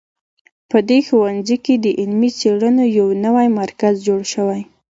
په دې ښوونځي کې د علمي څېړنو یو نوی مرکز جوړ شوی